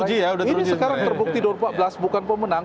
ini sekarang terbukti dua ribu empat belas bukan pemenang